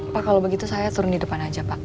pak kalau begitu saya turun di depan aja pak